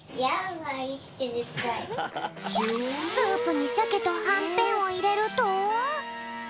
スープにシャケとはんぺんをいれると。